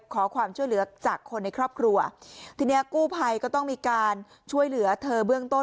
ขอความช่วยเหลือจากคนในครอบครัวทีเนี้ยกู้ภัยก็ต้องมีการช่วยเหลือเธอเบื้องต้น